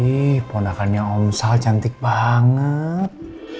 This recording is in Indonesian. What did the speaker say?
ih pondakannya om sal cantik banget